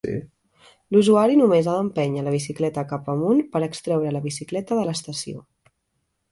L'usuari només ha d'empènyer la bicicleta cap amunt per extreure la bicicleta de l'estació.